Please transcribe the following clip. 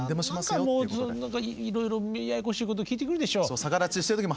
何かもういろいろややこしいこと聞いてくるでしょ？